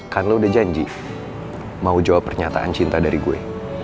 karena udah janji mau jawab pernyataan cinta dari gue